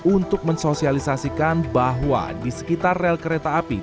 untuk mensosialisasikan bahwa di sekitar rel kereta api